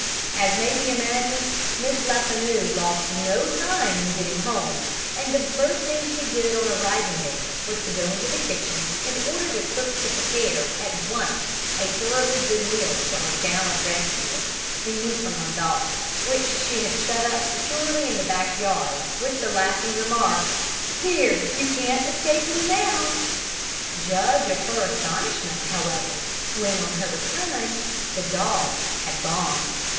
As may be imagined, Miss Lefanu lost no time in getting home, and the first thing she did on arriving there was to go into the kitchen and order the cook to prepare, at once, a thoroughly good meal for her gallant rescuer the Newfoundland dog, which she had shut up securely in the back yard, with the laughing remark, "There you can't escape me now." Judge of her astonishment, however, when, on her return, the dog had gone.